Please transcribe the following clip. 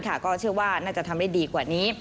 ก็เชื่อว่าน่าจะทำได้ดีกว่านี้